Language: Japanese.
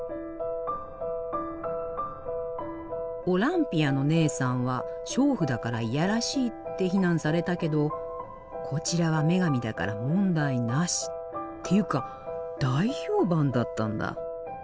「オランピア」のねえさんは娼婦だから嫌らしいって非難されたけどこちらは女神だから問題なしっていうか大評判だったんだ。